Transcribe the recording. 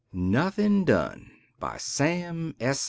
NOTHIN' DONE BY SAM S.